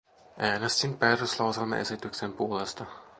Äänestin päätöslauselmaesityksen puolesta.